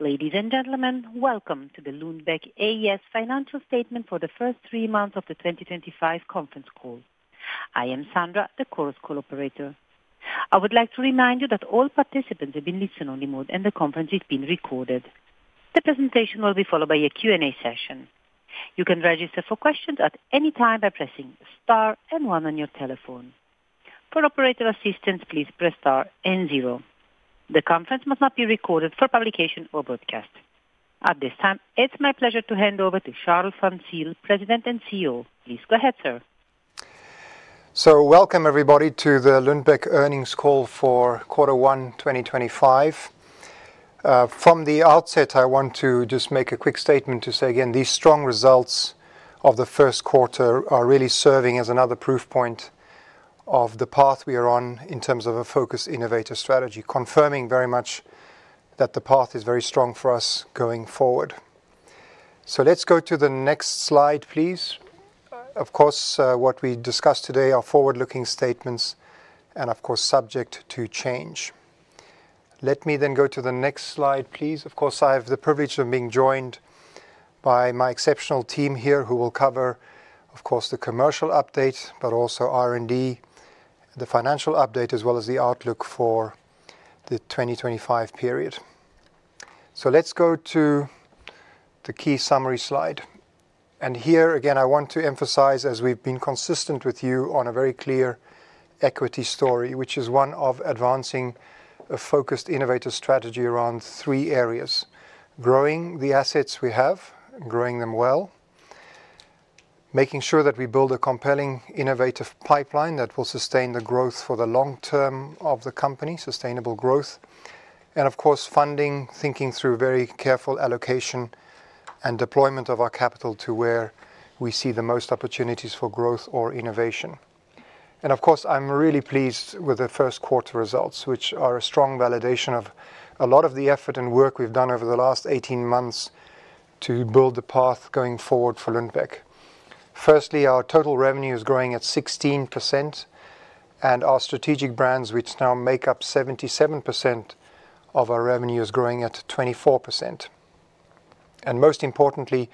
Ladies and gentlemen, welcome to the Lundbeck A/S financial statement for the first three months of the 2025 conference call. I am Sandra, the chorus co-operator. I would like to remind you that all participants have been listened on the mode, and the conference is being recorded. The presentation will be followed by a Q&A session. You can register for questions at any time by pressing star and one on your telephone. For operator assistance, please press star and zero. The conference must not be recorded for publication or broadcast. At this time, it's my pleasure to hand over to Charl Van Zyl, President and CEO. Please go ahead, sir. Welcome, everybody, to the Lundbeck earnings call for quarter one 2025. From the outset, I want to just make a quick statement to say again, these strong results of the first quarter are really serving as another proof point of the path we are on in terms of a focused innovator strategy, confirming very much that the path is very strong for us going forward. Let's go to the next slide, please. Of course, what we discuss today are forward-looking statements and, of course, subject to change. Let me then go to the next slide, please. I have the privilege of being joined by my exceptional team here who will cover, of course, the commercial update, but also R&D, the financial update, as well as the outlook for the 2025 period. Let's go to the key summary slide. Here again, I want to emphasize, as we've been consistent with you on a very clear equity story, which is one of advancing a focused innovator strategy around three areas: growing the assets we have, growing them well, making sure that we build a compelling innovative pipeline that will sustain the growth for the long term of the company, sustainable growth, and, of course, funding, thinking through very careful allocation and deployment of our capital to where we see the most opportunities for growth or innovation. Of course, I'm really pleased with the first quarter results, which are a strong validation of a lot of the effort and work we've done over the last 18 months to build the path going forward for Lundbeck. Firstly, our total revenue is growing at 16%, and our strategic brands, which now make up 77% of our revenue, are growing at 24%. Most importantly,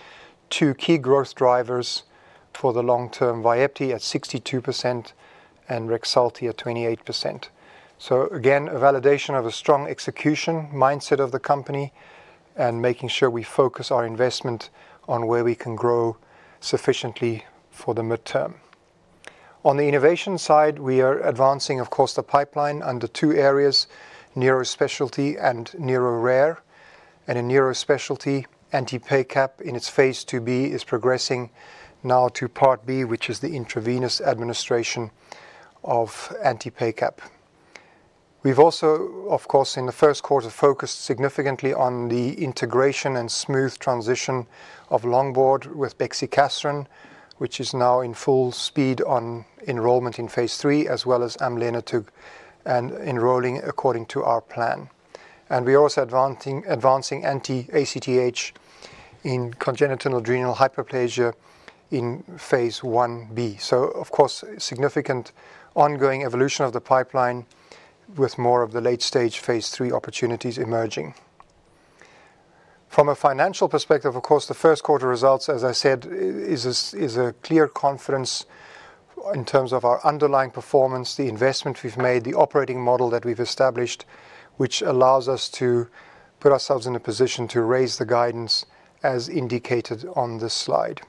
two key growth drivers for the long-term: Vyepti at 62% and Rexulti at 28%. Again, a validation of a strong execution mindset of the company and making sure we focus our investment on where we can grow sufficiently for the midterm. On the innovation side, we are advancing, of course, the pipeline under two areas: neurospecialty and neuro rare. In neurospecialty, anti-PACAP in its phase 2b is progressing now to part B, which is the intravenous administration of anti-PACAP. We have also, of course, in the first quarter, focused significantly on the integration and smooth transition of Longboard with Bexicaserin, which is now in full speed on enrollment in phase 3, as well as Amlenetug and enrolling according to our plan. We are also advancing anti-ACTH in congenital adrenal hyperplasia in phase 1b. Of course, significant ongoing evolution of the pipeline with more of the late stage phase three opportunities emerging. From a financial perspective, the first quarter results, as I said, is a clear confidence in terms of our underlying performance, the investment we've made, the operating model that we've established, which allows us to put ourselves in a position to raise the guidance as indicated on this slide.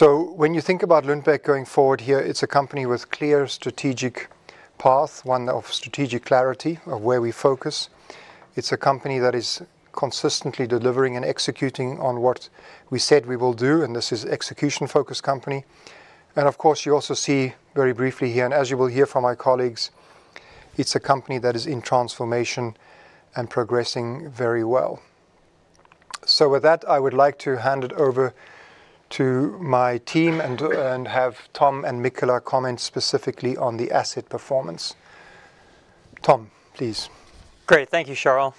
When you think about Lundbeck going forward here, it's a company with a clear strategic path, one of strategic clarity of where we focus. It's a company that is consistently delivering and executing on what we said we will do, and this is an execution-focused company. You also see very briefly here, and as you will hear from my colleagues, it's a company that is in transformation and progressing very well. With that, I would like to hand it over to my team and have Tom and Michala comment specifically on the asset performance. Tom, please. Great. Thank you, Charl.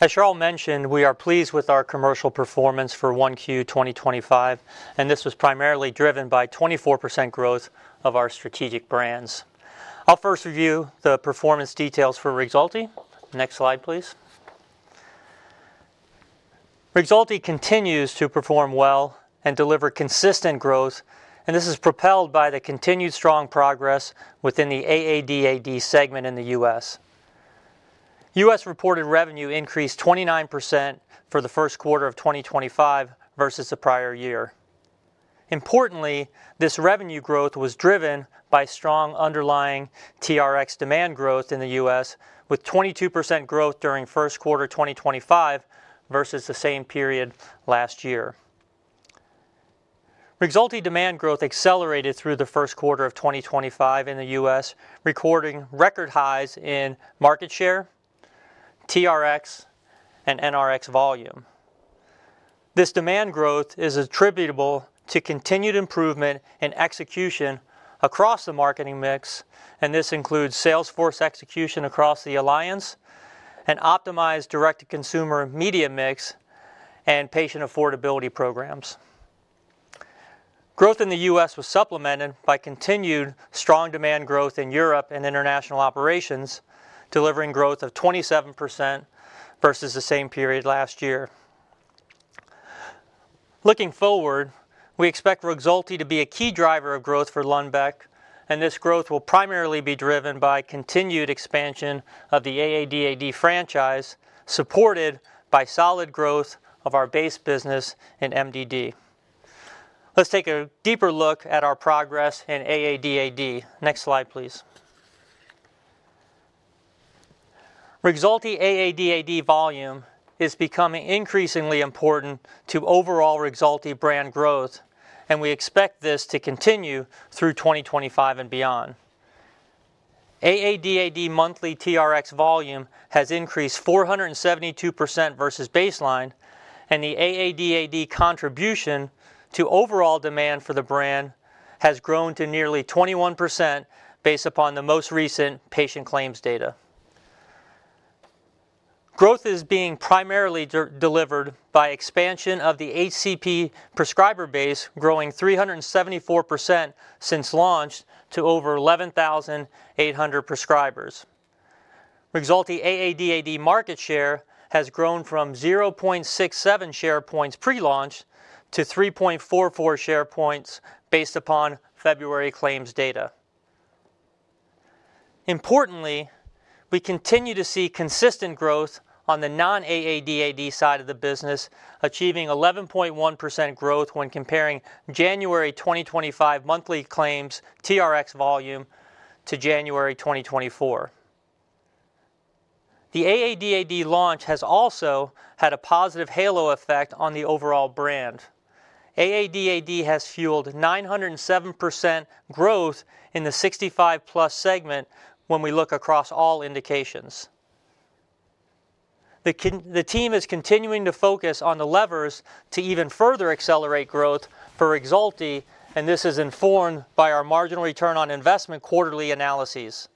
As Charl mentioned, we are pleased with our commercial performance for one Q 2025, and this was primarily driven by 24% growth of our strategic brands. I'll first review the performance details for Rexulti. Next slide, please. Rexulti continues to perform well and deliver consistent growth, and this is propelled by the continued strong progress within the AADAD segment in the U.S. U.S. reported revenue increased 29% for the first quarter of 2025 versus the prior year. Importantly, this revenue growth was driven by strong underlying TRx demand growth in the U.S., with 22% growth during first quarter 2025 versus the same period last year. Rexulti demand growth accelerated through the first quarter of 2025 in the U.S., recording record highs in market share, TRx, and NRx volume. This demand growth is attributable to continued improvement in execution across the marketing mix, and this includes Salesforce execution across the alliance and optimized direct-to-consumer media mix and patient affordability programs. Growth in the U.S. was supplemented by continued strong demand growth in Europe and international operations, delivering growth of 27% versus the same period last year. Looking forward, we expect Rexulti to be a key driver of growth for Lundbeck, and this growth will primarily be driven by continued expansion of the AADAD franchise, supported by solid growth of our base business in MDD. Let's take a deeper look at our progress in AADAD. Next slide, please. Rexulti AADAD volume is becoming increasingly important to overall Rexulti brand growth, and we expect this to continue through 2025 and beyond. AADAD monthly TRx volume has increased 472% versus baseline, and the AADAD contribution to overall demand for the brand has grown to nearly 21% based upon the most recent patient claims data. Growth is being primarily delivered by expansion of the HCP prescriber base, growing 374% since launch to over 11,800 prescribers. Rexulti AADAD market share has grown from 0.67 share points pre-launch to 3.44 share points based upon February claims data. Importantly, we continue to see consistent growth on the non-AADAD side of the business, achieving 11.1% growth when comparing January 2025 monthly claims TRx volume to January 2024. The AADAD launch has also had a positive halo effect on the overall brand. AADAD has fueled 907% growth in the 65+ segment when we look across all indications. The team is continuing to focus on the levers to even further accelerate growth for Rexulti, and this is informed by our marginal return on investment quarterly analyses.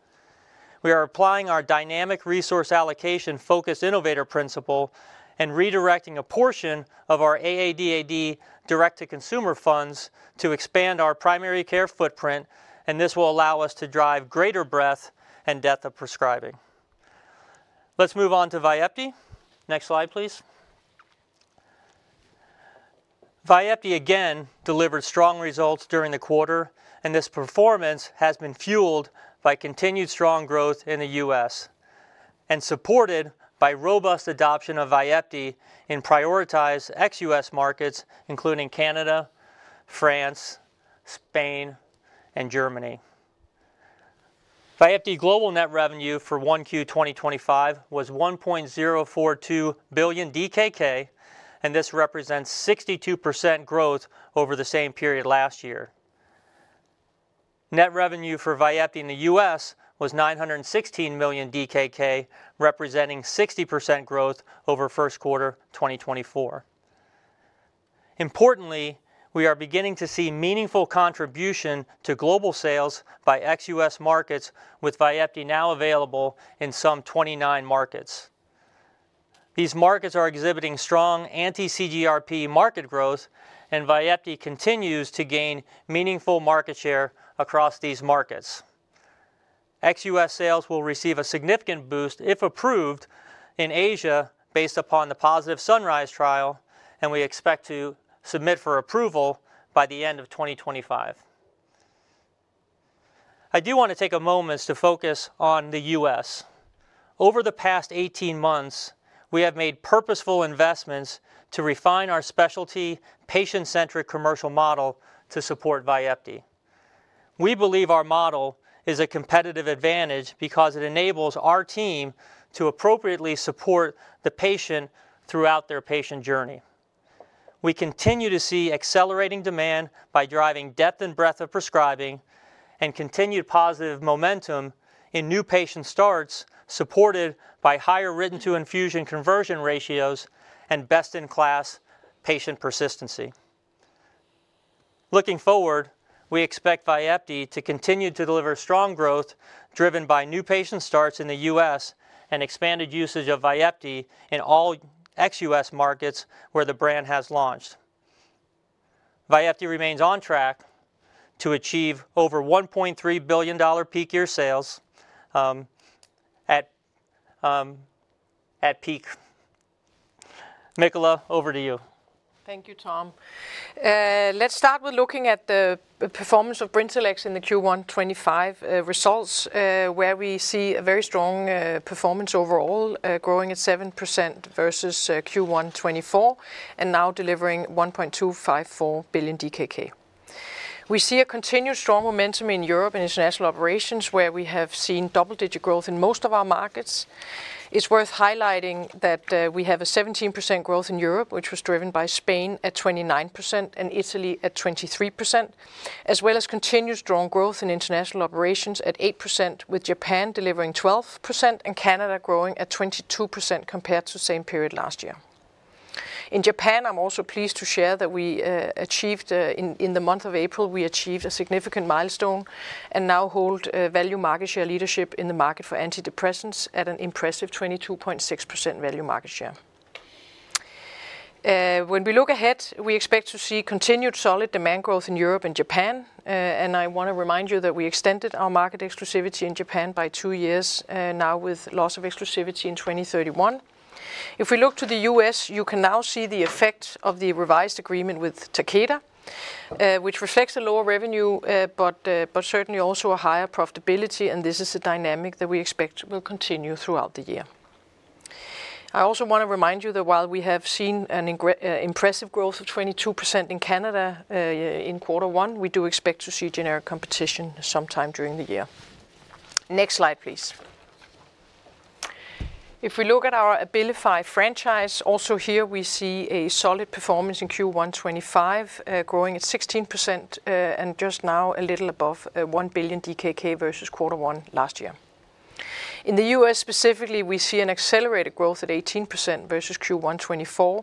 We are applying our dynamic resource allocation focus innovator principle and redirecting a portion of our AADAD direct-to-consumer funds to expand our primary care footprint, and this will allow us to drive greater breadth and depth of prescribing. Let's move on to Vyepti. Next slide, please. Vyepti again delivered strong results during the quarter, and this performance has been fueled by continued strong growth in the U.S. and supported by robust adoption of Vyepti in prioritized ex-U.S. markets, including Canada, France, Spain, and Germany. Vyepti global net revenue for Q1 2025 was 1.042 billion DKK, and this represents 62% growth over the same period last year. Net revenue for Vyepti in the U.S. was 916 million DKK, representing 60% growth over first quarter 2024. Importantly, we are beginning to see meaningful contribution to global sales by ex-U.S. markets, with Vyepti now available in some 29 markets. These markets are exhibiting strong anti-CGRP market growth, and Vyepti continues to gain meaningful market share across these markets. Ex-U.S. sales will receive a significant boost if approved in Asia based upon the positive sunrise trial, and we expect to submit for approval by the end of 2025. I do want to take a moment to focus on the U.S. Over the past 18 months, we have made purposeful investments to refine our specialty patient-centric commercial model to support Vyepti. We believe our model is a competitive advantage because it enables our team to appropriately support the patient throughout their patient journey. We continue to see accelerating demand by driving depth and breadth of prescribing and continued positive momentum in new patient starts, supported by higher written-to-infusion conversion ratios and best-in-class patient persistency. Looking forward, we expect Vyepti to continue to deliver strong growth driven by new patient starts in the U.S. and expanded usage of Vyepti in all ex-U.S. markets where the brand has launched. Vyepti remains on track to achieve over $1.3 billion peak year sales at peak. Michala, over to you. Thank you, Tom. Let's start with looking at the performance of Brintellix in the Q1 2025 results, where we see a very strong performance overall, growing at 7% versus Q1 2024 and now delivering 1.254 billion DKK. We see a continued strong momentum in Europe and international operations, where we have seen double-digit growth in most of our markets. It's worth highlighting that we have a 17% growth in Europe, which was driven by Spain at 29% and Italy at 23%, as well as continued strong growth in international operations at 8%, with Japan delivering 12% and Canada growing at 22% compared to the same period last year. In Japan, I'm also pleased to share that we achieved in the month of April, we achieved a significant milestone and now hold value market share leadership in the market for antidepressants at an impressive 22.6% value market share. When we look ahead, we expect to see continued solid demand growth in Europe and Japan, and I want to remind you that we extended our market exclusivity in Japan by two years, now with loss of exclusivity in 2031. If we look to the U.S., you can now see the effect of the revised agreement with Takeda, which reflects a lower revenue, but certainly also a higher profitability, and this is a dynamic that we expect will continue throughout the year. I also want to remind you that while we have seen an impressive growth of 22% in Canada in quarter one, we do expect to see generic competition sometime during the year. Next slide, please. If we look at our Abilify franchise, also here we see a solid performance in Q1 2025, growing at 16% and just now a little above 1 billion DKK versus quarter one last year. In the U.S. specifically, we see an accelerated growth at 18% versus Q1 2024,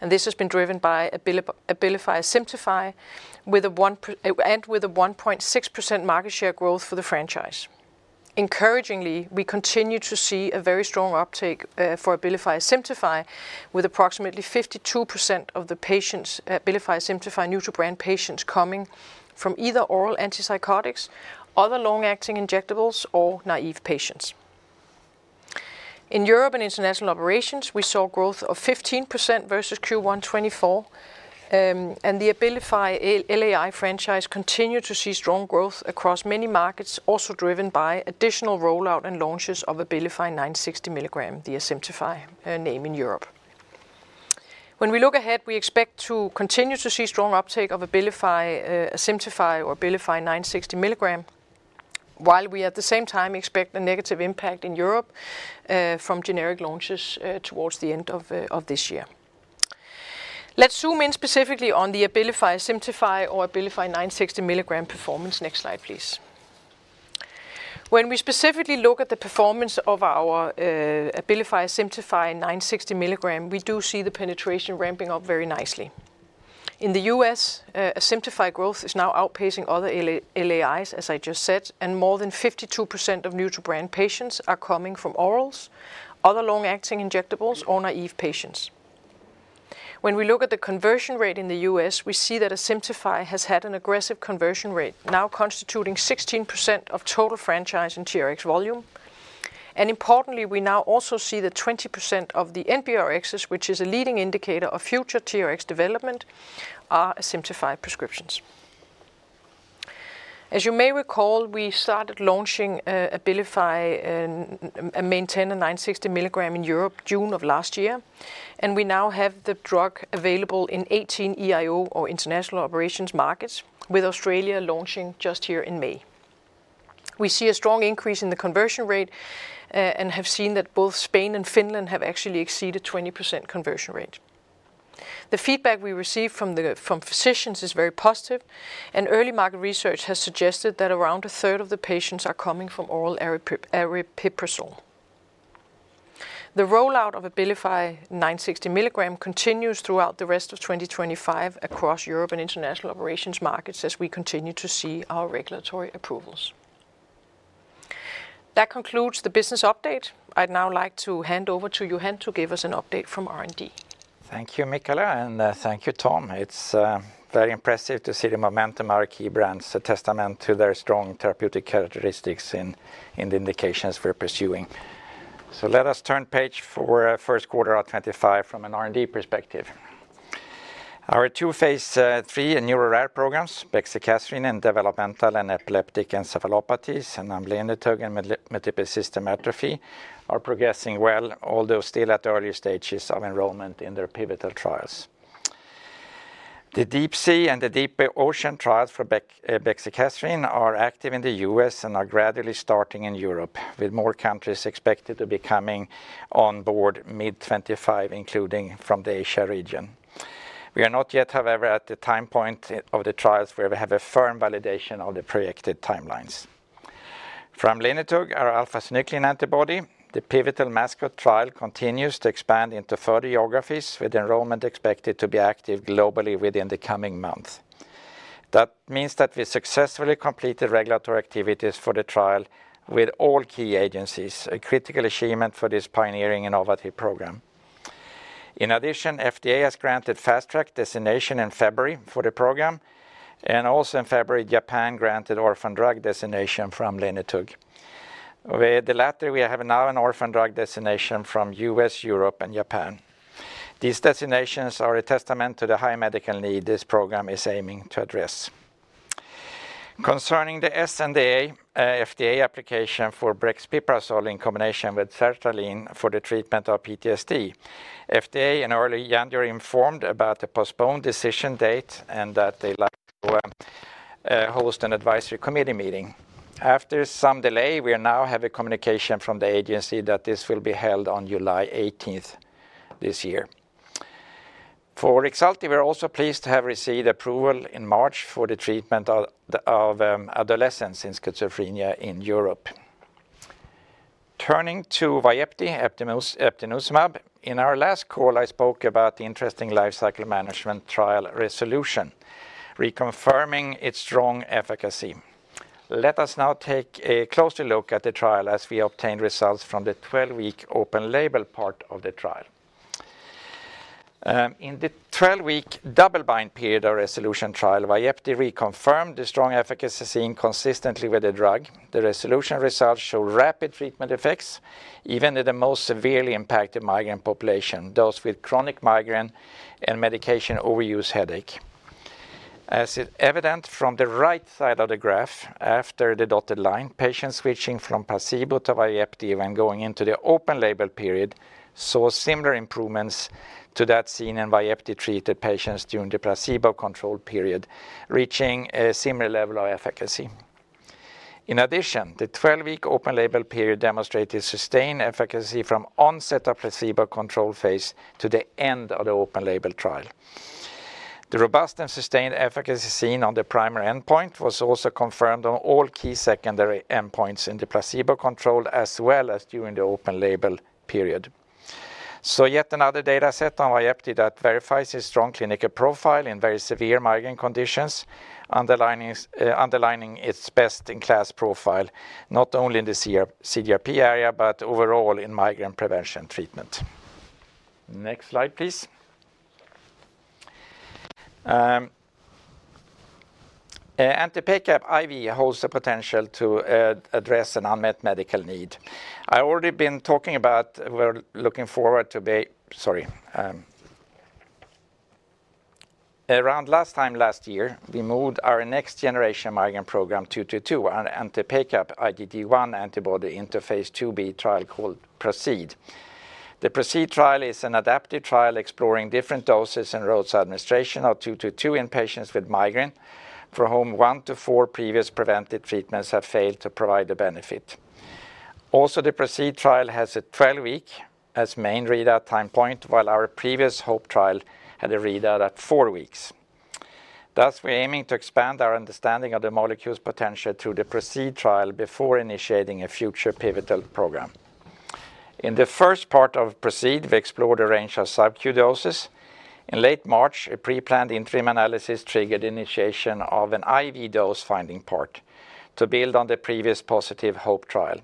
and this has been driven by Abilify Asimtufii and with a 1.6% market share growth for the franchise. Encouragingly, we continue to see a very strong uptake for Abilify Asimtufii, with approximately 52% of the patients, Abilify Asimtufii neutral brand patients coming from either oral antipsychotics, other long-acting injectables, or naive patients. In Europe and international operations, we saw growth of 15% versus Q1 2024, and the Abilify LAI franchise continued to see strong growth across many markets, also driven by additional rollout and launches of Abilify 960 mg, the Simplify name in Europe. When we look ahead, we expect to continue to see strong uptake of Abilify Asimtufii or Abilify 960 mg, while we at the same time expect a negative impact in Europe from generic launches towards the end of this year. Let's zoom in specifically on the Abilify Asimtufii or Abilify 960 mg performance. Next slide, please. When we specifically look at the performance of our Abilify Asimtufii 960 mg, we do see the penetration ramping up very nicely. In the U.S., Simplify growth is now outpacing other LAIs, as I just said, and more than 52% of neutral brand patients are coming from orals, other long-acting injectables, or naive patients. When we look at the conversion rate in the U.S., we see that Simplify has had an aggressive conversion rate, now constituting 16% of total franchise and TRx volume. Importantly, we now also see that 20% of the NBRXs, which is a leading indicator of future TRx development, are Asimtufii prescriptions. As you may recall, we started launching Abilify Maintena 960 mg in Europe in June of last year, and we now have the drug available in 18 EIO or international operations markets, with Australia launching just here in May. We see a strong increase in the conversion rate and have seen that both Spain and Finland have actually exceeded a 20% conversion rate. The feedback we received from physicians is very positive, and early market research has suggested that around a third of the patients are coming from oral aripiprazole. The rollout of Abilify 960 mg continues throughout the rest of 2025 across Europe and international operations markets as we continue to see our regulatory approvals. That concludes the business update. I'd now like to hand over to Johan to give us an update from R&D. Thank you, Michala, and thank you, Tom. It's very impressive to see the momentum of our key brands' testament to their strong therapeutic characteristics in the indications we're pursuing. Let us turn page for first quarter of 2025 from an R&D perspective. Our two phase 3 and neuro rare programs, Bexicaserin in developmental and epileptic encephalopathies, and amlenetug in multiple system atrophy, are progressing well, although still at early stages of enrollment in their pivotal trials. The Deep Sea and the Deep Ocean trials for Bexicaserin are active in the U.S. and are gradually starting in Europe, with more countries expected to be coming on board mid-2025, including from the Asia region. We are not yet, however, at the time point of the trials where we have a firm validation of the projected timeline From amlenetug, our alpha-synuclein antibody, the pivotal MSA trial continues to expand into further geographies, with enrollment expected to be active globally within the coming month. That means that we successfully completed regulatory activities for the trial with all key agencies, a critical achievement for this pioneering innovative program. In addition, FDA has granted fast track designation in February for the program, and also in February, Japan granted orphan drug designation for amlenetug. With the latter, we have now an orphan drug designation from US, Europe, and Japan. These designations are a testament to the high medical need this program is aiming to address. Concerning the SNDA FDA application for brexpiprazole in combination with sertraline for the treatment of PTSD, FDA in early January informed about the postponed decision date and that they like to host an advisory committee meeting. After some delay, we now have a communication from the agency that this will be held on July 18th this year. For Rexulti, we're also pleased to have received approval in March for the treatment of adolescents in schizophrenia in Europe. Turning to Vyepti, eptinezumab, in our last call, I spoke about the interesting life cycle management trial, Resolution, reconfirming its strong efficacy. Let us now take a closer look at the trial as we obtain results from the 12-week open label part of the trial. In the 12-week double blind period of the Resolution trial, Vyepti reconfirmed the strong efficacy seen consistently with the drug. The Resolution results show rapid treatment effects, even in the most severely impacted migraine population, those with chronic migraine and medication overuse headache. As evident from the right side of the graph, after the dotted line, patients switching from placebo to Vyepti when going into the open label period saw similar improvements to that seen in Vyepti-treated patients during the placebo control period, reaching a similar level of efficacy. In addition, the 12-week open label period demonstrated sustained efficacy from onset of placebo control phase to the end of the open label trial. The robust and sustained efficacy seen on the primary endpoint was also confirmed on all key secondary endpoints in the placebo control, as well as during the open label period. Yet another data set on Vyepti that verifies its strong clinical profile in very severe migraine conditions, underlining its best-in-class profile, not only in the CGRP area, but overall in migraine prevention treatment. Next slide, please. Anti-PACAP IV holds the potential to address an unmet medical need. I've already been talking about we're looking forward to, sorry, around last time last year, we moved our next generation migraine program 222, anti-PACAP IgD1 antibody into a phase 2b trial called PROCEED. The PROCEED trial is an adaptive trial exploring different doses and routes of administration of 222 in patients with migraine for whom one to four previous preventive treatments have failed to provide the benefit. Also, the PROCEED trial has a 12-week as main readout time point, while our previous HOPE trial had a readout at four weeks. Thus, we're aiming to expand our understanding of the molecule's potential through the PROCEED trial before initiating a future pivotal program. In the first part of PROCEED, we explored a range of sub-Q doses. In late March, a pre-planned interim analysis triggered the initiation of an IV dose finding part to build on the previous positive HOPE trial.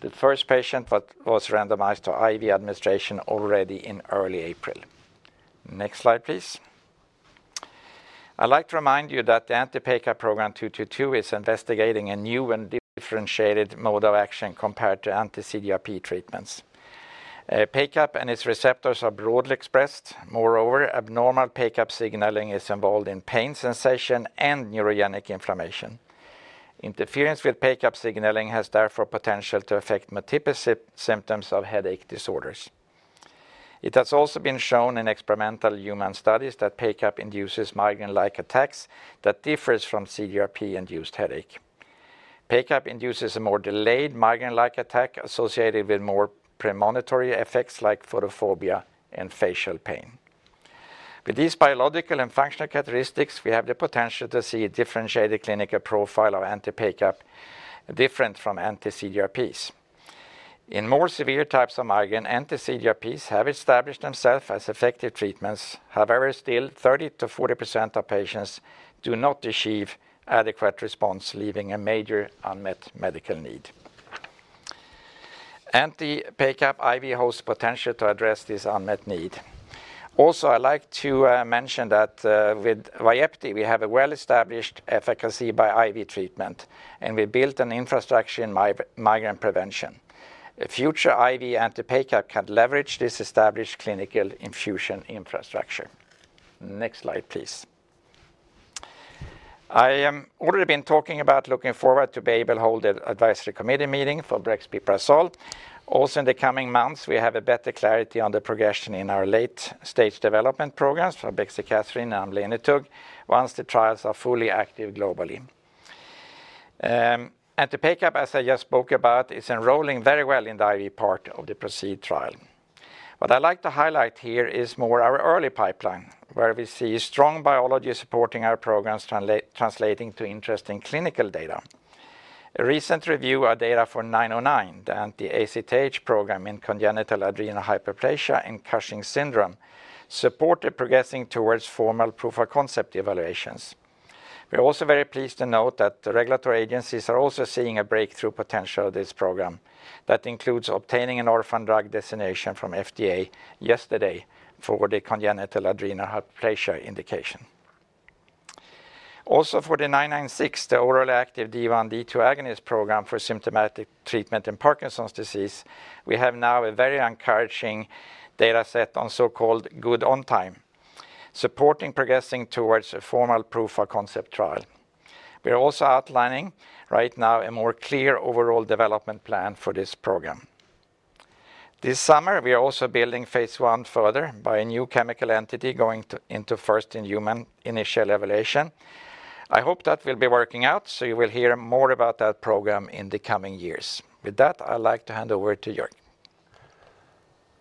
The first patient was randomized to IV administration already in early April. Next slide, please. I'd like to remind you that the anti-PACAP program 222 is investigating a new and differentiated mode of action compared to anti-CGRP treatments. PACAP and its receptors are broadly expressed. Moreover, abnormal PACAP signaling is involved in pain sensation and neurogenic inflammation. Interference with PACAP signaling has therefore potential to affect multiple symptoms of headache disorders. It has also been shown in experimental human studies that PACAP induces migraine-like attacks that differ from CGRP-induced headache. PACAP induces a more delayed migraine-like attack associated with more premonitory effects like photophobia and facial pain. With these biological and functional characteristics, we have the potential to see a differentiated clinical profile of anti-PACAP different from anti-CGRPs. In more severe types of migraine, anti-CGRPs have established themselves as effective treatments, however, still 30%-40% of patients do not achieve adequate response, leaving a major unmet medical need. Anti-PACAP IV holds potential to address this unmet need. Also, I'd like to mention that with Vyepti, we have a well-established efficacy by IV treatment, and we built an infrastructure in migraine prevention. Future IV anti-PACAP can leverage this established clinical infusion infrastructure. Next slide, please. I have already been talking about looking forward to the PDUFA advisory committee meeting for brexpiprazole. Also, in the coming months, we have better clarity on the progression in our late-stage development programs for Bexicaserin and amlenetug once the trials are fully active globally. Anti-PACAP, as I just spoke about, is enrolling very well in the IV part of the PROCEED trial. What I'd like to highlight here is more our early pipeline, where we see strong biology supporting our programs translating to interesting clinical data. A recent review of data for 909, the anti-ACTH program in congenital adrenal hyperplasia and Cushing's syndrome, supported progressing towards formal proof-of-concept evaluations. We're also very pleased to note that the regulatory agencies are also seeing a breakthrough potential of this program that includes obtaining an orphan drug designation from FDA yesterday for the congenital adrenal hyperplasia indication. Also, for the 996, the oral active D1D2 agonist program for symptomatic treatment in Parkinson's disease, we have now a very encouraging data set on so-called good on time, supporting progressing towards a formal proof-of-concept trial. We're also outlining right now a more clear overall development plan for this program. This summer, we are also building phase one further by a new chemical entity going into first in human initial evaluation. I hope that will be working out, so you will hear more about that program in the coming years. With that, I'd like to hand over to Joerg.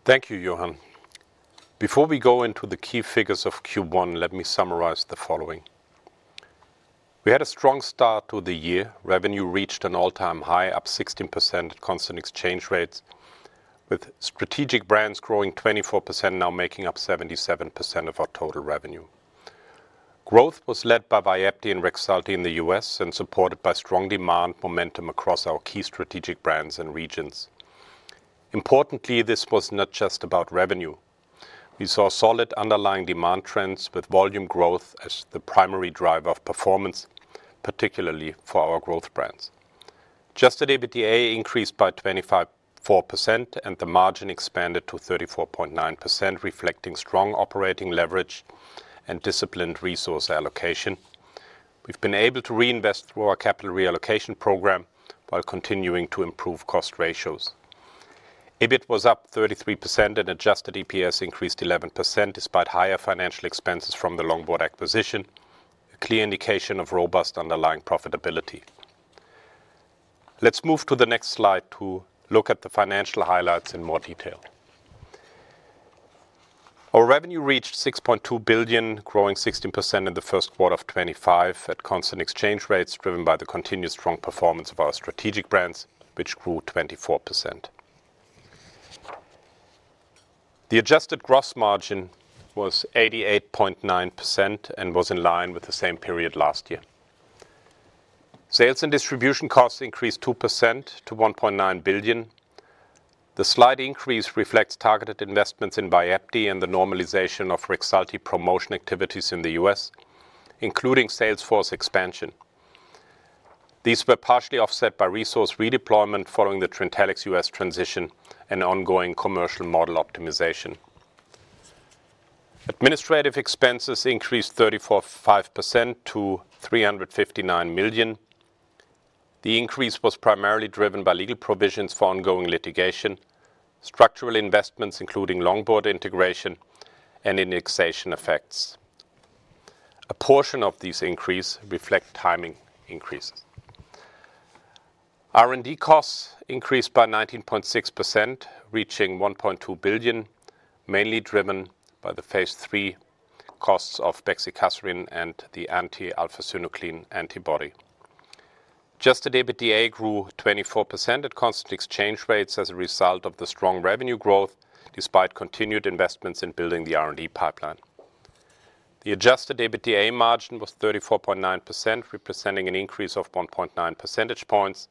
Thank you, Johan. Before we go into the key figures of Q1, let me summarize the following. We had a strong start to the year. Revenue reached an all-time high, up 16% at constant exchange rates, with strategic brands growing 24%, now making up 77% of our total revenue. Growth was led by Vyepti and Rexulti in the U.S. and supported by strong demand momentum across our key strategic brands and regions. Importantly, this was not just about revenue. We saw solid underlying demand trends with volume growth as the primary driver of performance, particularly for our growth brands. Just today, EBITDA increased by 25.4%, and the margin expanded to 34.9%, reflecting strong operating leverage and disciplined resource allocation. We've been able to reinvest through our capital reallocation program while continuing to improve cost ratios. EBIT was up 33%, and adjusted EPS increased 11% despite higher financial expenses from the Longboard acquisition, a clear indication of robust underlying profitability. Let's move to the next slide to look at the financial highlights in more detail. Our revenue reached 6.2 billion, growing 16% in the first quarter of 2025 at constant exchange rates driven by the continued strong performance of our strategic brands, which grew 24%. The adjusted gross margin was 88.9% and was in line with the same period last year. Sales and distribution costs increased 2% to 1.9 billion. The slight increase reflects targeted investments in Vyepti and the normalization of Rexulti promotion activities in the U.S., including Salesforce expansion. These were partially offset by resource redeployment following the Trintellix U.S. transition and ongoing commercial model optimization. Administrative expenses increased 34.5% to 359 million. The increase was primarily driven by legal provisions for ongoing litigation, structural investments, including Longboard integration and indexation effects. A portion of these increases reflects timing increases. R&D costs increased by 19.6%, reaching 1.2 billion, mainly driven by the phase three costs of Bexicaserin and the anti-alpha-synuclein antibody. Just today, EBITDA grew 24% at constant exchange rates as a result of the strong revenue growth, despite continued investments in building the R&D pipeline. The adjusted EBITDA margin was 34.9%, representing an increase of 1.9% points,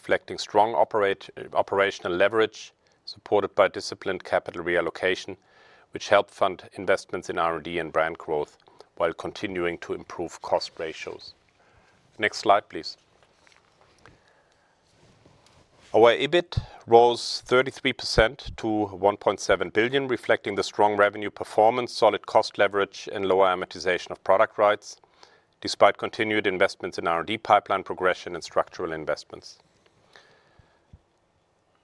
reflecting strong operational leverage supported by disciplined capital reallocation, which helped fund investments in R&D and brand growth while continuing to improve cost ratios. Next slide, please. Our EBIT rose 33% to 1.7 billion, reflecting the strong revenue performance, solid cost leverage, and lower amortization of product rights, despite continued investments in R&D pipeline progression and structural investments.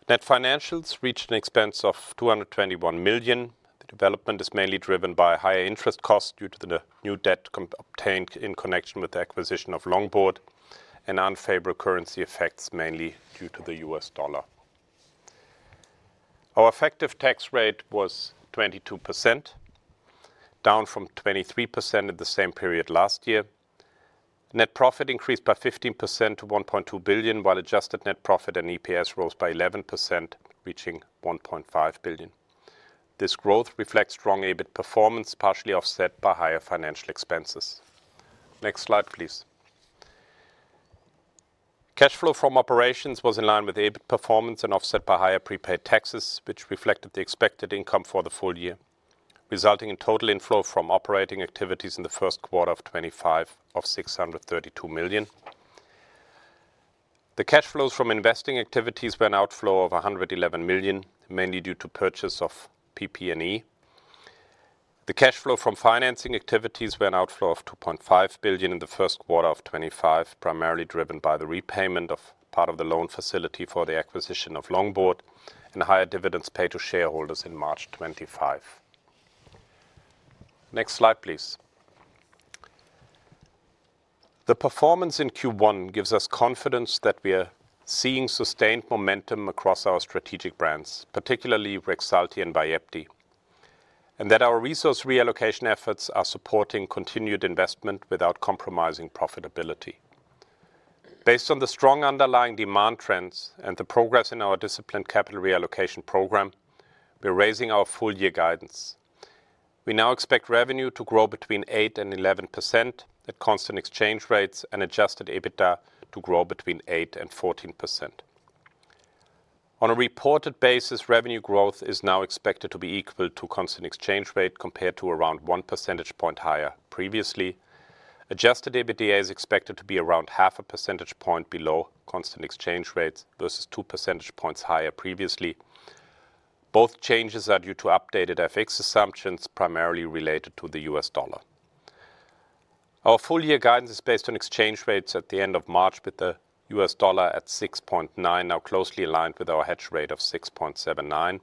Net financials reached an expense of 221 million. The development is mainly driven by higher interest costs due to the new debt obtained in connection with the acquisition of Longboard and unfavorable currency effects, mainly due to the U.S. dollar. Our effective tax rate was 22%, down from 23% in the same period last year. Net profit increased by 15% to 1.2 billion, while adjusted net profit and EPS rose by 11%, reaching 1.5 billion. This growth reflects strong EBIT performance, partially offset by higher financial expenses. Next slide, please. Cash flow from operations was in line with EBIT performance and offset by higher prepaid taxes, which reflected the expected income for the full year, resulting in total inflow from operating activities in the first quarter of 2025 of 632 million. The cash flows from investing activities were an outflow of 111 million, mainly due to purchase of PP&E. The cash flow from financing activities were an outflow of 2.5 billion in the first quarter of 2025, primarily driven by the repayment of part of the loan facility for the acquisition of Longboard and higher dividends paid to shareholders in March 2025. Next slide, please. The performance in Q1 gives us confidence that we are seeing sustained momentum across our strategic brands, particularly Rexulti and Vyepti, and that our resource reallocation efforts are supporting continued investment without compromising profitability. Based on the strong underlying demand trends and the progress in our disciplined capital reallocation program, we're raising our full-year guidance. We now expect revenue to grow between 8% and 11% at constant exchange rates and adjusted EBITDA to grow between 8% and 14%. On a reported basis, revenue growth is now expected to be equal to constant exchange rate compared to around 1% point higher previously. Adjusted EBITDA is expected to be around half 0.5% point below constant exchange rates versus 2% points higher previously. Both changes are due to updated FX assumptions primarily related to the U.S. dollar. Our full-year guidance is based on exchange rates at the end of March with the US dollar at 6.9, now closely aligned with our hedge rate of 6.79.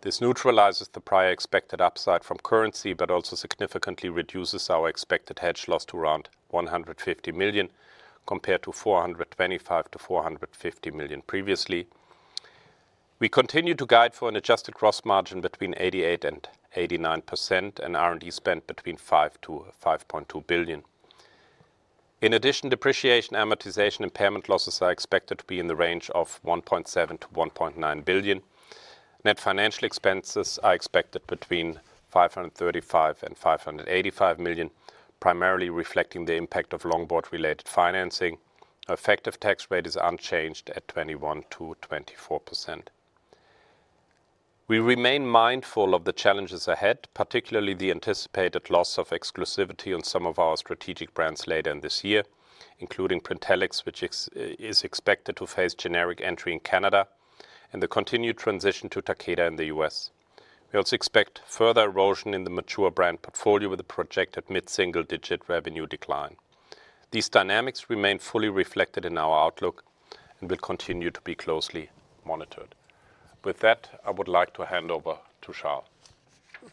This neutralizes the prior expected upside from currency, but also significantly reduces our expected hedge loss to around 150 million compared to 425 million-450 million previously. We continue to guide for an adjusted gross margin between 88% and 89% and R&D spent between 5 billion-5.2 billion. In addition, depreciation, amortization, and impairment losses are expected to be in the range of 1.7 billion-1.9 billion. Net financial expenses are expected between 535 million-585 million, primarily reflecting the impact of Longboard-related financing. Our effective tax rate is unchanged at 21%-24%. We remain mindful of the challenges ahead, particularly the anticipated loss of exclusivity on some of our strategic brands later in this year, including Trintellix, which is expected to face generic entry in Canada, and the continued transition to Takeda in the U.S. We also expect further erosion in the mature brand portfolio with a projected mid-single-digit revenue decline. These dynamics remain fully reflected in our outlook and will continue to be closely monitored. With that, I would like to hand over to Charl.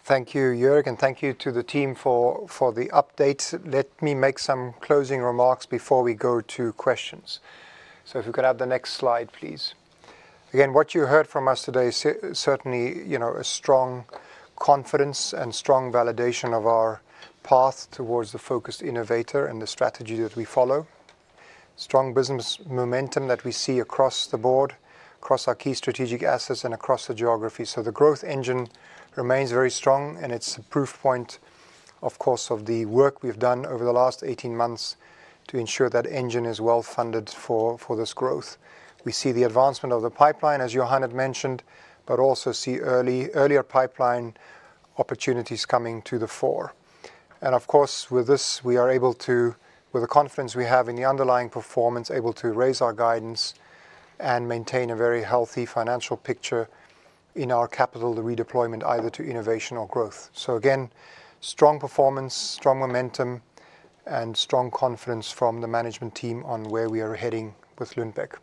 Thank you, Joerg, and thank you to the team for the updates. Let me make some closing remarks before we go to questions. If you could have the next slide, please. Again, what you heard from us today is certainly a strong confidence and strong validation of our path towards the focused innovator and the strategy that we follow. Strong business momentum that we see across the board, across our key strategic assets and across the geography. The growth engine remains very strong, and it's a proof point, of course, of the work we've done over the last 18 months to ensure that engine is well funded for this growth. We see the advancement of the pipeline, as Johan had mentioned, but also see earlier pipeline opportunities coming to the fore. Of course, with this, we are able to, with the confidence we have in the underlying performance, able to raise our guidance and maintain a very healthy financial picture in our capital, the redeployment either to innovation or growth. Again, strong performance, strong momentum, and strong confidence from the management team on where we are heading with Lundbeck.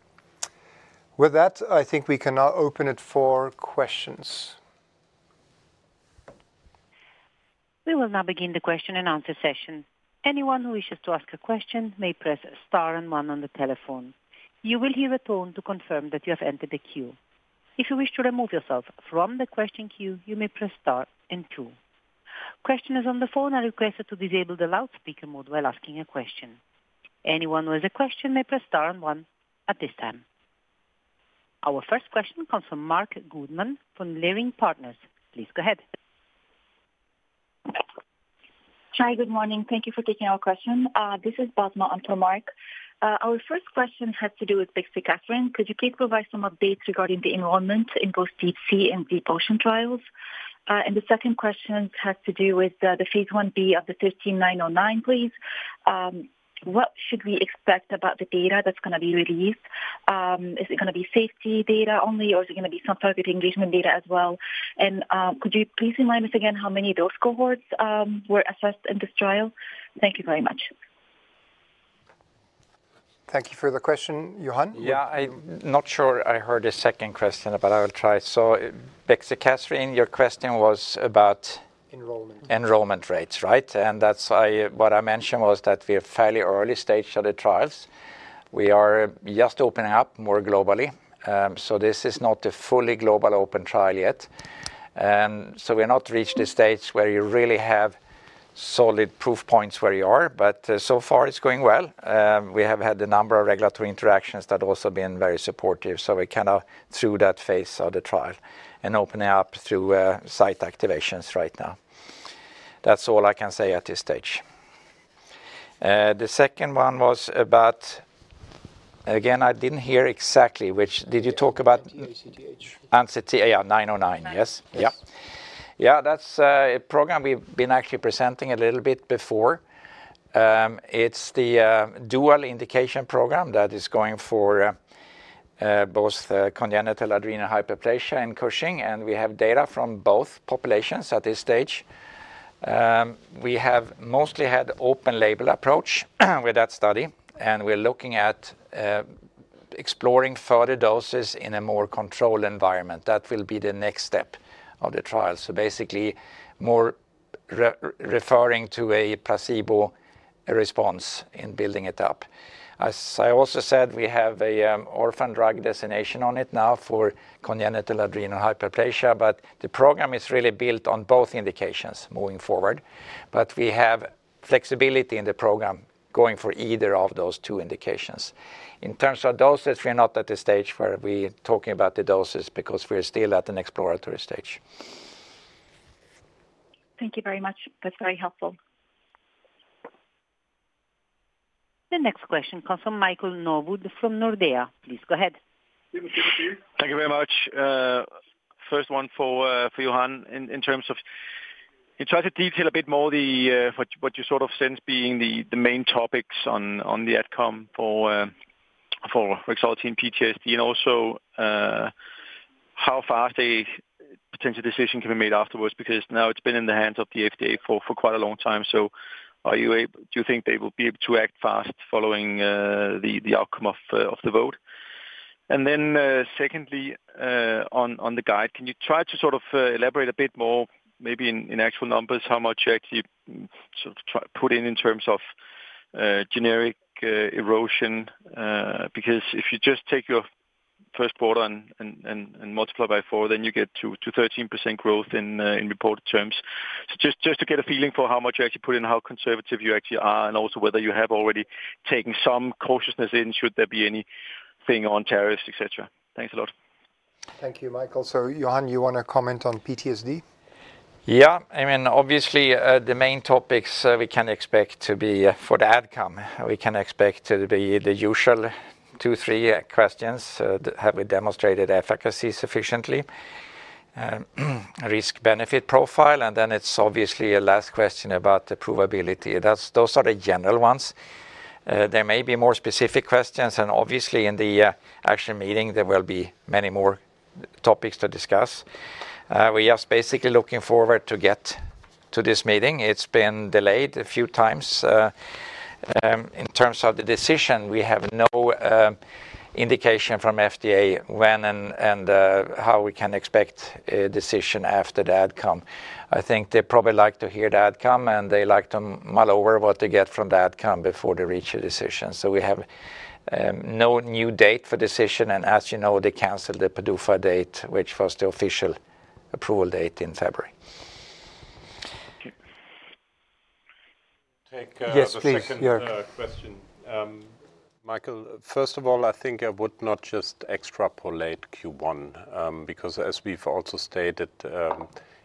With that, I think we can now open it for questions. We will now begin the question and answer session. Anyone who wishes to ask a question may press star and one on the telephone. You will hear a tone to confirm that you have entered the queue. If you wish to remove yourself from the question queue, you may press star and two. Questioners on the phone are requested to disable the loudspeaker mode while asking a question. Anyone who has a question may press star and one at this time. Our first question comes from Marc Goodman from Leerink Partners. Please go ahead. Hi, good morning. Thank you for taking our question. This is Basma and for Mark. Our first question has to do with Bexicaserin. Could you please provide some updates regarding the enrollment in both DEEP SEA and DEEP OCEAN trials? The second question has to do with the phase 1b of the 13909, please. What should we expect about the data that's going to be released? Is it going to be safety data only, or is it going to be some targeted engagement data as well? Could you please remind us again how many of those cohorts were assessed in this trial? Thank you very much. Thank you for the question. Johan? Yeah, I'm not sure I heard the second question, but I will try. So Bexicaserin, your question was about enrollment rates, right? That's what I mentioned was that we are fairly early stage of the trials. We are just opening up more globally. This is not a fully global open trial yet. We have not reached the stage where you really have solid proof points where you are, but so far it's going well. We have had a number of regulatory interactions that have also been very supportive. We are kind of through that phase of the trial and opened it up through site activations right now. That's all I can say at this stage. The second one was about, again, I didn't hear exactly which. Did you talk about? CTH. Yeah, 909, yes. Yeah. Yeah, that's a program we've been actually presenting a little bit before. It's the dual indication program that is going for both congenital adrenal hyperplasia and Cushing, and we have data from both populations at this stage. We have mostly had open label approach with that study, and we're looking at exploring further doses in a more controlled environment. That will be the next step of the trial. Basically, more referring to a placebo response in building it up. As I also said, we have an orphan drug designation on it now for congenital adrenal hyperplasia, but the program is really built on both indications moving forward. We have flexibility in the program going for either of those two indications. In terms of doses, we are not at the stage where we are talking about the doses because we are still at an exploratory stage. Thank you very much. That's very helpful. The next question comes from Michael Novod from Nordea. Please go ahead. Thank you very much. First one for Johan in terms of, in trying to detail a bit more what you sort of sense being the main topics on the outcome for Rexulti and PTSD, and also how fast a potential decision can be made afterwards, because now it's been in the hands of the FDA for quite a long time. Do you think they will be able to act fast following the outcome of the vote? Secondly, on the guide, can you try to sort of elaborate a bit more, maybe in actual numbers, how much you actually put in in terms of generic erosion? Because if you just take your first quarter and multiply by four, then you get to 13% growth in reported terms. Just to get a feeling for how much you actually put in, how conservative you actually are, and also whether you have already taken some cautiousness in, should there be anything on tariffs, etc. Thanks a lot. Thank you, Michael. Johan, you want to comment on PTSD? Yeah. I mean, obviously, the main topics we can expect to be for the outcome, we can expect to be the usual two, three questions. Have we demonstrated efficacy sufficiently? Risk-benefit profile. There is obviously a last question about the probability. Those are the general ones. There may be more specific questions. Obviously, in the actual meeting, there will be many more topics to discuss. We are basically looking forward to get to this meeting. It has been delayed a few times. In terms of the decision, we have no indication from FDA when and how we can expect a decision after the outcome. I think they probably like to hear the outcome, and they like to mull over what they get from the outcome before they reach a decision. We have no new date for decision. As you know, they canceled the PDUFA date, which was the official approval date in February. Take a second question. Michael, first of all, I think I would not just extrapolate Q1, because as we've also stated,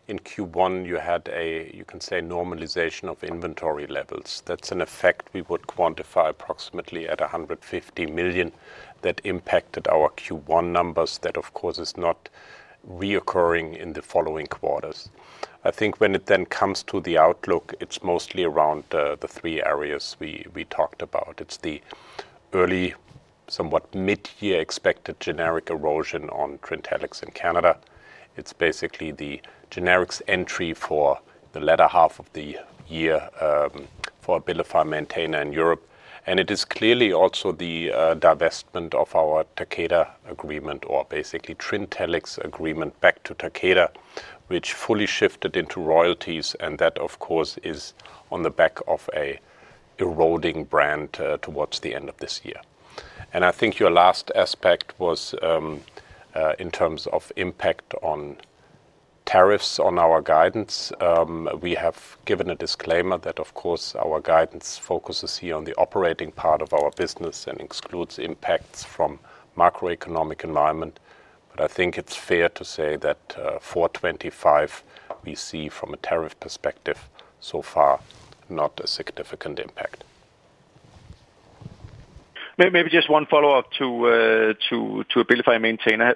in Q1, you had a, you can say, normalization of inventory levels. That's an effect we would quantify approximately at 150 million that impacted our Q1 numbers that, of course, is not reoccurring in the following quarters. I think when it then comes to the outlook, it's mostly around the three areas we talked about. It's the early, somewhat mid-year expected generic erosion on Trintellix in Canada. It's basically the generics entry for the latter half of the year for Abilify Maintena in Europe. It is clearly also the divestment of our Takeda agreement or basically Trintellix agreement back to Takeda, which fully shifted into royalties. That, of course, is on the back of an eroding brand towards the end of this year. I think your last aspect was in terms of impact on tariffs on our guidance. We have given a disclaimer that, of course, our guidance focuses here on the operating part of our business and excludes impacts from macroeconomic environment. I think it's fair to say that for 2025, we see from a tariff perspective so far not a significant impact. Maybe just one follow-up to Abilify Maintena.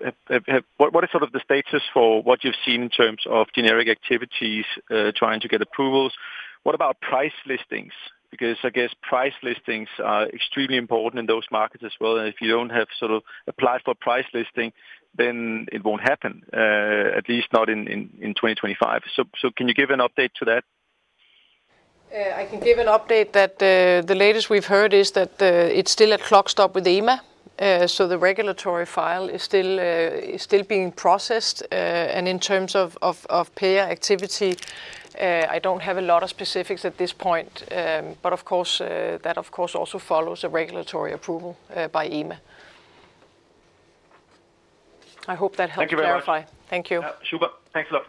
What is sort of the status for what you've seen in terms of generic activities trying to get approvals? What about price listings? I guess price listings are extremely important in those markets as well. If you don't have sort of applied for price listing, then it won't happen, at least not in 2025. Can you give an update to that? I can give an update that the latest we've heard is that it's still at clock stop with EMA. The regulatory file is still being processed. In terms of payer activity, I do not have a lot of specifics at this point. Of course, that also follows a regulatory approval by EMA. I hope that helps clarify. Thank you very much. Thank you. Super. Thanks a lot.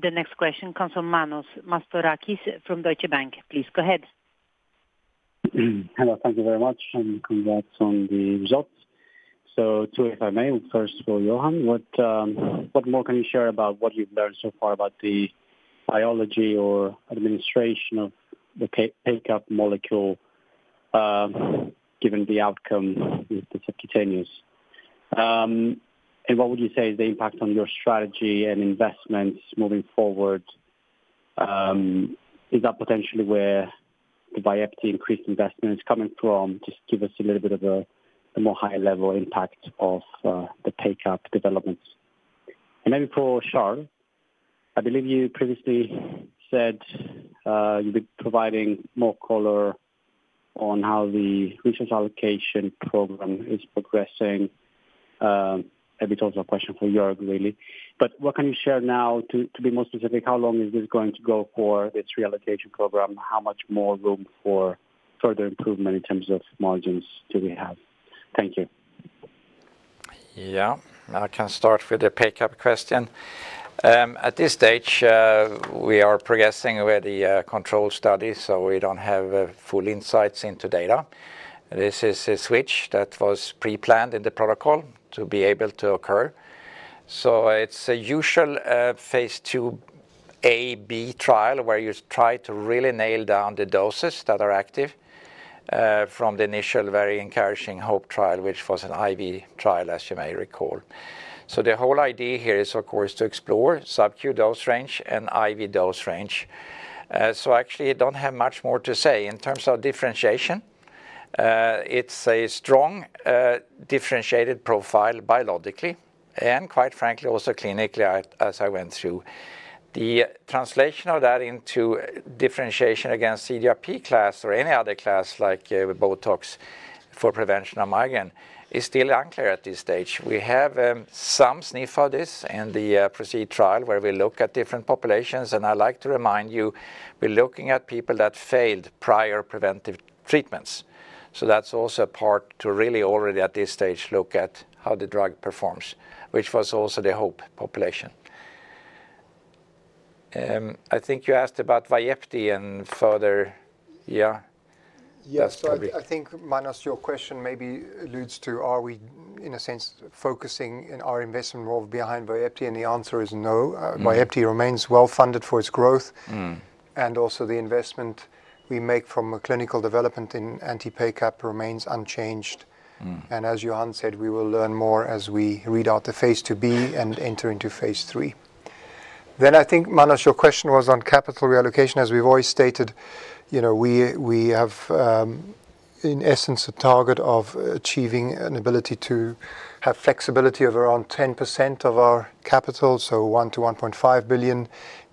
The next question comes from Manos Mastorakis from Deutsche Bank. Please go ahead. Hello. Thank you very much. And congrats on the results. To, if I may, first for Johan, what more can you share about what you've learned so far about the biology or administration of the pickup molecule given the outcome with the subcutaneous? What would you say is the impact on your strategy and investments moving forward? Is that potentially where the Vyepti increased investment is coming from? Just give us a little bit of a more high-level impact of the pickup developments. Maybe for Charl, I believe you previously said you've been providing more color on how the resource allocation program is progressing. Maybe it's also a question for Joerg, really. What can you share now to be more specific? How long is this going to go for this reallocation program? How much more room for further improvement in terms of margins do we have? Thank you. Yeah. I can start with the pickup question. At this stage, we are progressing with the control studies, so we do not have full insights into data. This is a switch that was pre-planned in the protocol to be able to occur. It is a usual phase 2a/b trial where you try to really nail down the doses that are active from the initial very encouraging HOPE trial, which was an IV trial, as you may recall. The whole idea here is, of course, to explore subq dose range and IV dose range. Actually, I do not have much more to say. In terms of differentiation, it is a strong differentiated profile biologically and, quite frankly, also clinically, as I went through. The translation of that into differentiation against CGRP class or any other class like Botox for prevention of migraine is still unclear at this stage. We have some sniff of this in the PROCEED trial where we look at different populations. I'd like to remind you, we're looking at people that failed prior preventive treatments. That's also a part to really already at this stage look at how the drug performs, which was also the hope population. I think you asked about Vyepti and further, yeah. Yes, I think Manos, your question maybe alludes to, are we in a sense focusing in our investment role behind Vyepti? The answer is no. Vyepti remains well funded for its growth. Also, the investment we make from clinical development in anti-PACAP remains unchanged. As Johan said, we will learn more as we read out the phase 2b and enter into phase 3. I think, Manos, your question was on capital reallocation. As we have always stated, we have in essence a target of achieving an ability to have flexibility of around 10% of our capital, so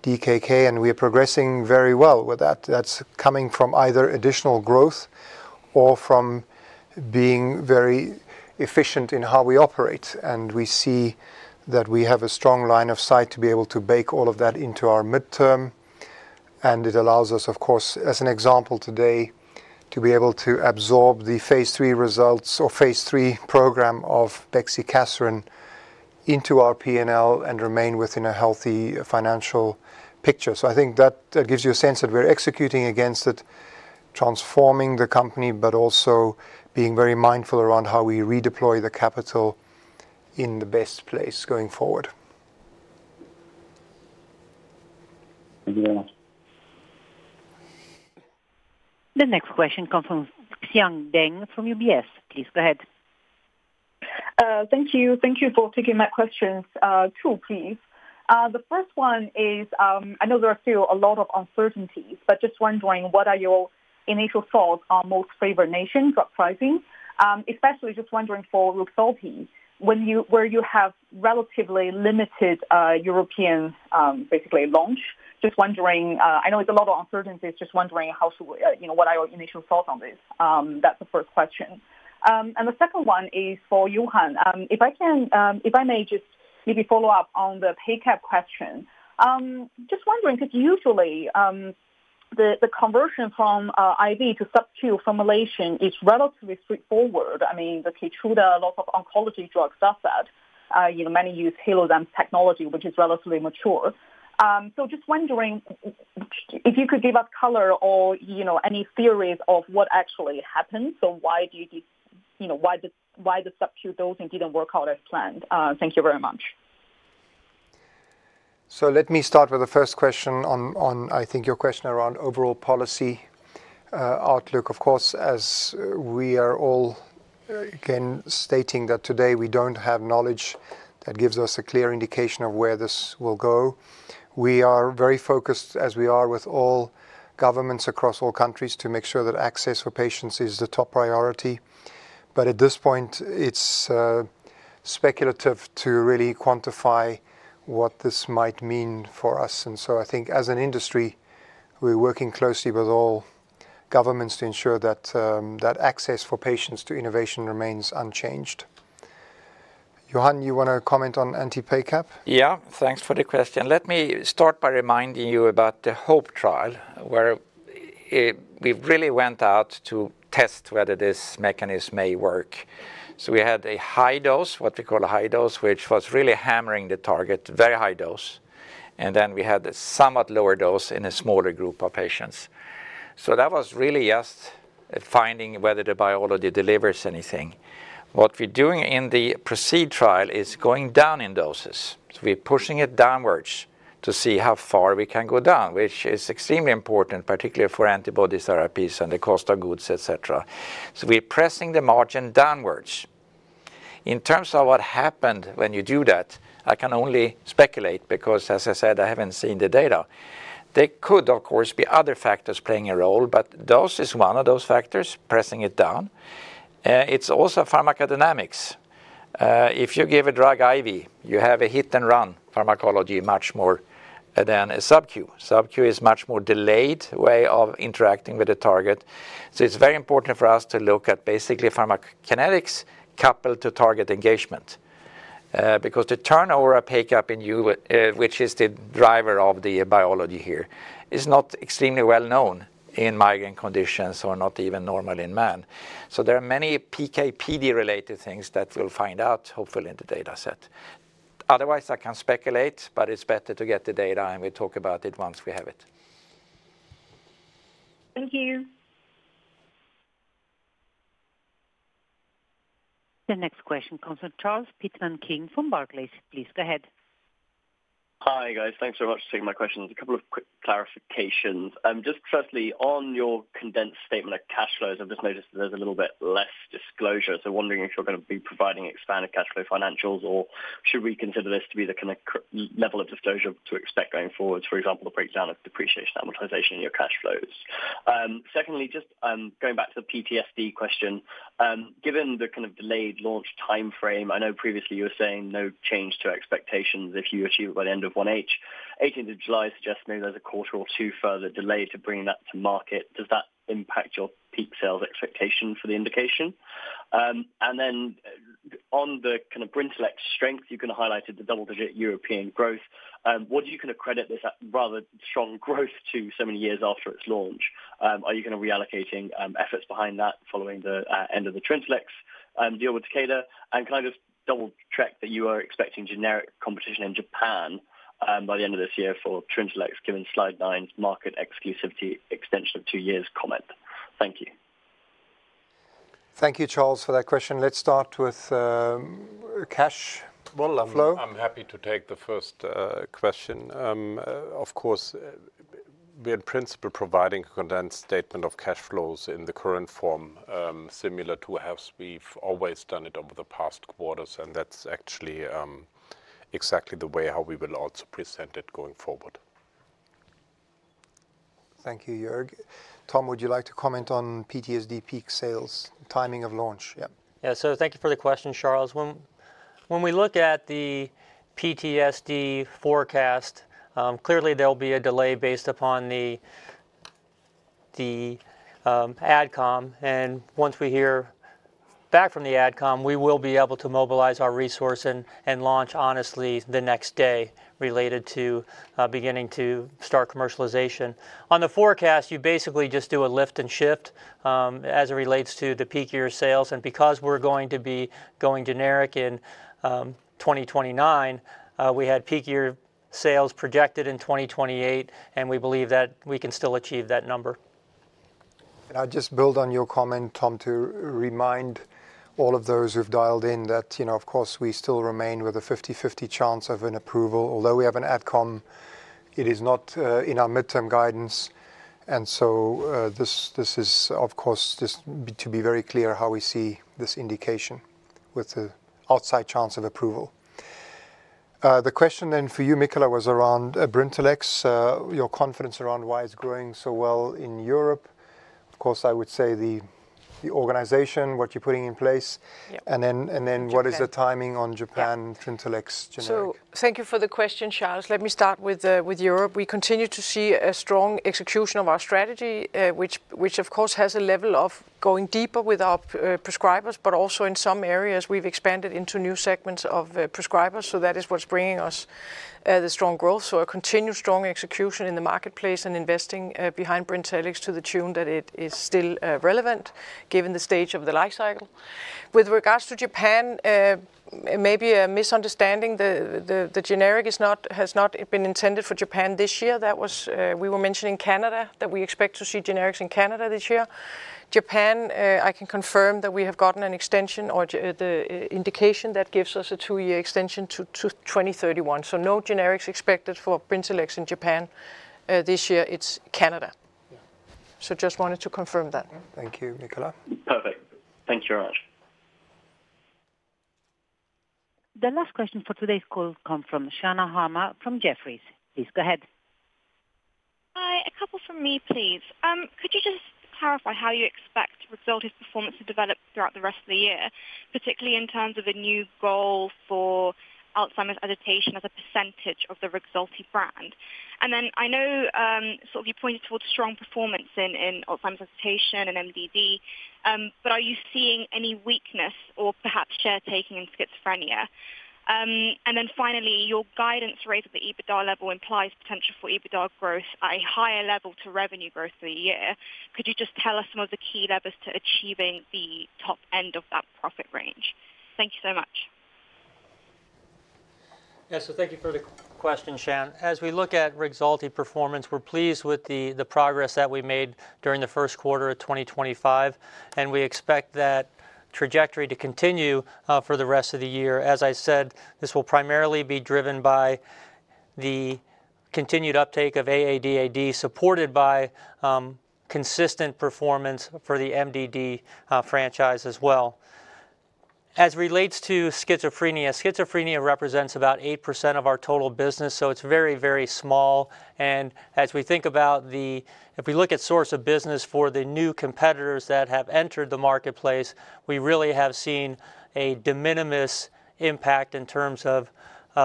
1 billion-1.5 billion DKK. We are progressing very well with that. That is coming from either additional growth or from being very efficient in how we operate. We see that we have a strong line of sight to be able to bake all of that into our midterm. It allows us, of course, as an example today, to be able to absorb the phase 3 results or phase 3 program of Bexicaserin into our P&L and remain within a healthy financial picture. I think that gives you a sense that we're executing against it, transforming the company, but also being very mindful around how we redeploy the capital in the best place going forward. Thank you very much. The next question comes from Xiang Deng from UBS. Please go ahead. Thank you. Thank you for taking my questions. Two, please. The first one is, I know there are still a lot of uncertainties, but just wondering what are your initial thoughts on most favored nations or pricing? Especially just wondering for Rexulti, where you have relatively limited European basically launch. Just wondering, I know it's a lot of uncertainties, just wondering what are your initial thoughts on this. That's the first question. The second one is for Johan. If I can, if I may just maybe follow up on the pickup question. Just wondering, because usually the conversion from IV to subq formulation is relatively straightforward. I mean, the Keytruda, lots of oncology drugs does that. Many use Halozane technology, which is relatively mature. Just wondering if you could give us color or any theories of what actually happened. Why did the subq dosing not work out as planned? Thank you very much. Let me start with the first question on, I think, your question around overall policy outlook. Of course, as we are all again stating that today we do not have knowledge that gives us a clear indication of where this will go. We are very focused, as we are with all governments across all countries, to make sure that access for patients is the top priority. At this point, it is speculative to really quantify what this might mean for us. I think as an industry, we are working closely with all governments to ensure that access for patients to innovation remains unchanged. Johan, you want to comment on anti-PACAP? Yeah. Thanks for the question. Let me start by reminding you about the hope trial, where we really went out to test whether this mechanism may work. We had a high dose, what we call a high dose, which was really hammering the target, very high dose. Then we had a somewhat lower dose in a smaller group of patients. That was really just finding whether the biology delivers anything. What we are doing in the proceed trial is going down in doses. We are pushing it downwards to see how far we can go down, which is extremely important, particularly for antibody therapies and the cost of goods, etc. We are pressing the margin downwards. In terms of what happens when you do that, I can only speculate because, as I said, I have not seen the data. There could, of course, be other factors playing a role, but dose is one of those factors pressing it down. It's also pharmacodynamics. If you give a drug IV, you have a hit and run pharmacology much more than a subq. Subq is a much more delayed way of interacting with the target. It is very important for us to look at basically pharmacokinetics coupled to target engagement. Because the turnover of pickup in you, which is the driver of the biology here, is not extremely well known in migraine conditions or not even normally in man. There are many PKPD-related things that we'll find out, hopefully, in the dataset. Otherwise, I can speculate, but it's better to get the data, and we'll talk about it once we have it. Thank you. The next question comes from Charles Pitman-King from Barclays. Please go ahead. Hi guys. Thanks so much for taking my question. A couple of quick clarifications. Just firstly, on your condensed statement of cash flows, I've just noticed there's a little bit less disclosure. So wondering if you're going to be providing expanded cash flow financials or should we consider this to be the kind of level of disclosure to expect going forwards, for example, the breakdown of depreciation amortization in your cash flows? Secondly, just going back to the PTSD question, given the kind of delayed launch timeframe, I know previously you were saying no change to expectations if you achieve it by the end of 1H, 18th of July suggests maybe there's a quarter or two further delay to bringing that to market. Does that impact your peak sales expectation for the indication? And then on the kind of Brintellix strength, you can highlight the double-digit European growth. What do you kind of credit this rather strong growth to so many years after its launch? Are you kind of reallocating efforts behind that following the end of the Trintellix deal with Takeda? Can I just double-check that you are expecting generic competition in Japan by the end of this year for Trintellix given slide nine's market exclusivity extension of two years comment? Thank you. Thank you, Charles, for that question. Let's start with cash flow. I'm happy to take the first question. Of course, we're in principle providing a condensed statement of cash flows in the current form similar to how we've always done it over the past quarters. That is actually exactly the way how we will also present it going forward. Thank you, Joerg. Tom, would you like to comment on PTSD peak sales, timing of launch? Yeah. Yeah. Thank you for the question, Charles. When we look at the PTSD forecast, clearly there will be a delay based upon the adcom. Once we hear back from the adcom, we will be able to mobilize our resource and launch honestly the next day related to beginning to start commercialization. On the forecast, you basically just do a lift and shift as it relates to the peak year sales. Because we are going to be going generic in 2029, we had peak year sales projected in 2028, and we believe that we can still achieve that number. I'll just build on your comment, Tom, to remind all of those who've dialed in that, of course, we still remain with a 50/50 chance of an approval. Although we have an adcom, it is not in our midterm guidance. This is, of course, just to be very clear how we see this indication with the outside chance of approval. The question then for you, Mikala, was around Brintellix, your confidence around why it's growing so well in Europe. Of course, I would say the organization, what you're putting in place, and then what is the timing on Japan and Trintellix generally? Thank you for the question, Charles. Let me start with Europe. We continue to see a strong execution of our strategy, which, of course, has a level of going deeper with our prescribers, but also in some areas we've expanded into new segments of prescribers. That is what's bringing us the strong growth. A continued strong execution in the marketplace and investing behind Brintellix to the tune that it is still relevant given the stage of the life cycle. With regards to Japan, maybe a misunderstanding. The generic has not been intended for Japan this year. We were mentioning Canada that we expect to see generics in Canada this year. Japan, I can confirm that we have gotten an extension or the indication that gives us a two-year extension to 2031. No generics expected for Brintellix in Japan this year. It's Canada. Just wanted to confirm that. Thank you, Michala. Perfect. Thank you very much. The last question for today's call comes from Shan Hama from Jefferies. Please go ahead. Hi, a couple from me, please. Could you just clarify how you expect Rexulti's performance to develop throughout the rest of the year, particularly in terms of a new goal for Alzheimer's education as a percentage of the Rexulti brand? I know sort of you pointed towards strong performance in Alzheimer's education and MDD, but are you seeing any weakness or perhaps share taking in schizophrenia? Finally, your guidance rate at the EBITDA level implies potential for EBITDA growth at a higher level to revenue growth for the year. Could you just tell us some of the key levers to achieving the top end of that profit range? Thank you so much. Yeah. Thank you for the question, Shan. As we look at Rexulti performance, we're pleased with the progress that we made during the first quarter of 2025, and we expect that trajectory to continue for the rest of the year. As I said, this will primarily be driven by the continued uptake of AADAD, supported by consistent performance for the MDD franchise as well. As it relates to schizophrenia, schizophrenia represents about 8% of our total business, so it's very, very small. As we think about the, if we look at source of business for the new competitors that have entered the marketplace, we really have seen a de minimis impact in terms of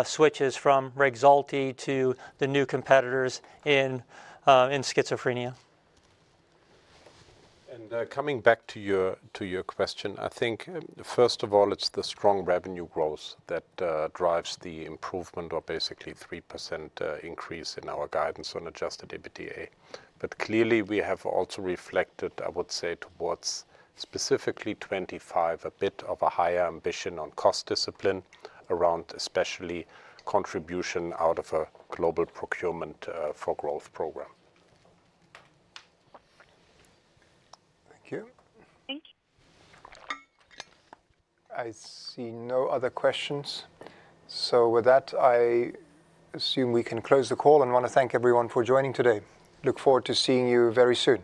switches from Rexulti to the new competitors in schizophrenia. Coming back to your question, I think first of all, it's the strong revenue growth that drives the improvement or basically 3% increase in our guidance on adjusted EBITDA. Clearly, we have also reflected, I would say, towards specifically 2025, a bit of a higher ambition on cost discipline around especially contribution out of a global procurement for growth program. Thank you. Thank you. I see no other questions. With that, I assume we can close the call and want to thank everyone for joining today. Look forward to seeing you very soon.